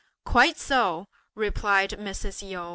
"Quite so!" replied Mrs. Yu.